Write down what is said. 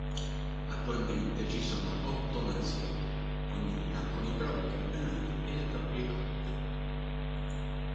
Attualmente ci sono otto nazioni, ognuna con i propri campionati e le proprie coppe.